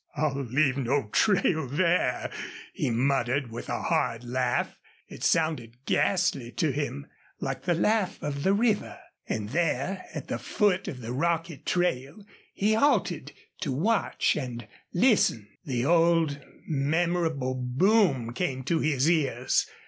"I'll leave no trail there," he muttered, with a hard laugh. It sounded ghastly to him, like the laugh of the river. And there at the foot of the rocky trail he halted to watch and listen. The old memorable boom came to his ears.